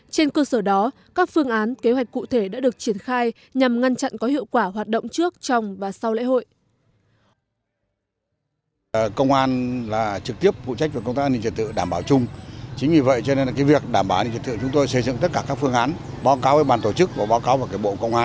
trên cơ sở đó các phương án kế hoạch cụ thể đã được triển khai nhằm ngăn chặn có hiệu quả hoạt động trước trong và sau lễ hội